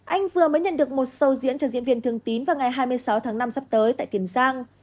anh vừa mới nhận được một sầu diễn cho diễn viên thường tín vào ngày hai mươi sáu tháng năm sắp tới tại tiền giang